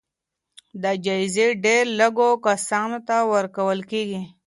دا جايزې ډېر لږو کسانو ته ورکول کېږي.